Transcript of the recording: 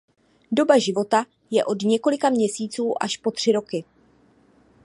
Doba života je od několika měsíců až po tři roky.